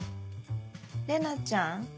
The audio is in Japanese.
玲奈ちゃん？